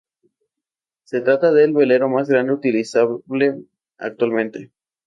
Se trata del velero más grande utilizable actualmente.